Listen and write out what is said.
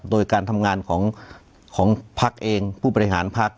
โดยการทำงานของพักเองผู้บริหารพัก